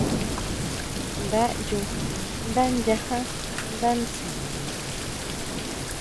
Nda ʼyú ndá nyajá ndá ntsén.